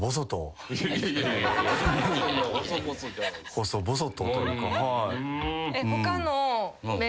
細々とというか。